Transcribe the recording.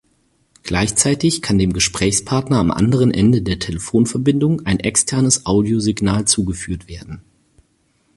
Gleichzeitig kann dem Gesprächspartner am anderen Ende der Telefonverbindung ein externes Audiosignal zugeführt werden.